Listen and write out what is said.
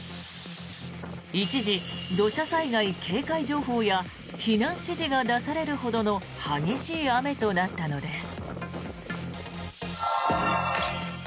一時、土砂災害警戒情報や避難指示が出されるほどの激しい雨となったのです。